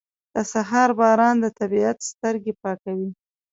• د سهار باران د طبیعت سترګې پاکوي.